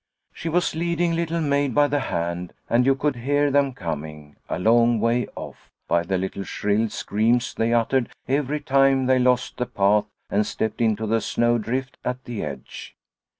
She was leading Little Maid by the hand, and you could hear them coming, a long way off, by the little shrill screams they uttered every time they lost the path and stepped into the snow drift at the edge.